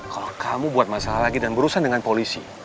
kalau kamu buat masalah lagi dan berurusan dengan polisi